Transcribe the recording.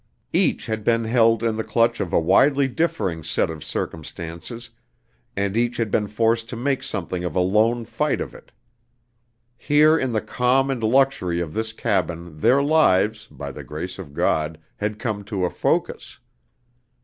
Each had been held in the clutch of a widely differing set of circumstances and each had been forced to make something of a lone fight of it. Here in the calm and luxury of this cabin their lives, by the grace of God, had come to a focus.